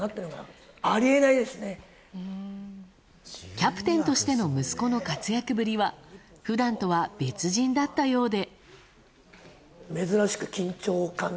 キャプテンとしての息子の活躍ぶりは普段とは別人だったようで。